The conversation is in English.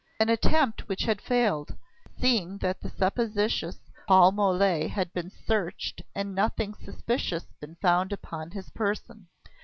an attempt which had failed, seeing that the supposititious Paul Mole had been searched and nothing suspicious been found upon his person.